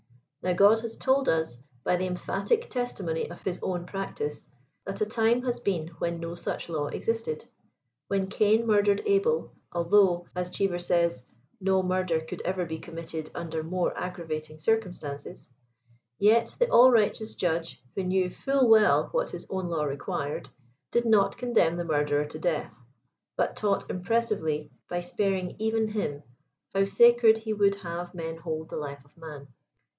Now God has told us, hy the emphatic testimony of his own practice, that a time has heeh when no such law existed. When Cain murdered Ahel, although, as Cheever says, no murder could eVet he committed under more aggravating circum stances," yet the All righteous Judge, who knew full well what his own law required, did not condemn the murderer to death ; but taught impressively, hy sparing even him, how sacred he would have men hold the life of man.